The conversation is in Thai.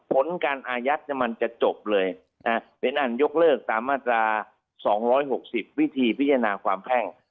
ผลการอายัดมันจะจบเลยเป็นอันยกเลิกตามมาตรา๒๖๐วิธีพิจารณาความแพ่ง